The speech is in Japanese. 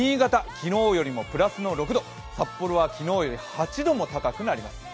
昨日よりもプラスの６度、札幌は昨日より８度も高くなります